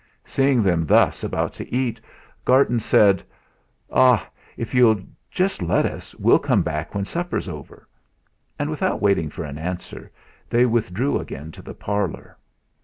Seeing them thus about to eat, Garton said: "Ah! If you'll let us, we'll come back when supper's over," and without waiting for an answer they withdrew again to the parlour.